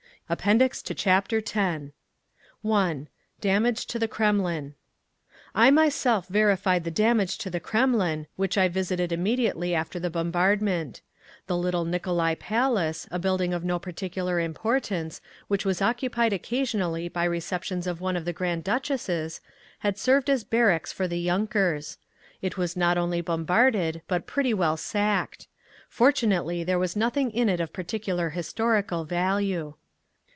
APPENDIX TO CHAPTER X 1. DAMAGE TO THE KREMLIN I myself verified the damage to the Kremlin, which I visited immediately after the bombardment. The Little Nicolai Palace, a building of no particular importance, which was occupied occasionally by receptions of one of the Grand Duchesses, had served as barracks for the yunkers. It was not only bombarded, but pretty well sacked; fortunately there was nothing in it of particular historical value.